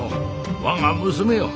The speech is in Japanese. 我が娘よ